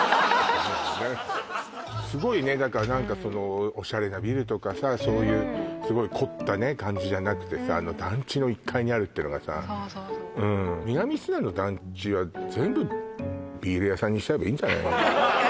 すごいね何かそのオシャレなビルとかさそういうすごい凝った感じじゃなくてさ団地の１階にあるってのがさ南砂の団地は全部ビール屋さんにしちゃえばいいんじゃない？